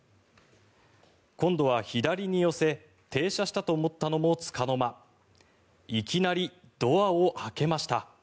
今度は左に寄せ停車したと思ったのもつかの間いきなりドアを開けました。